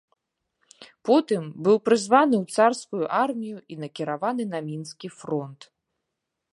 Потым быў прызваны ў царскую армію і накіраваны на мінскі фронт.